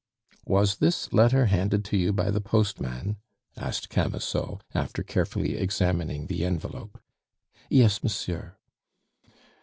"Was this letter handed to you by the postman?" asked Camusot, after carefully examining the envelope. "Yes, monsieur."